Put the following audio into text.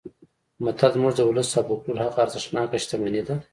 متل زموږ د ولس او فولکلور هغه ارزښتناکه شتمني ده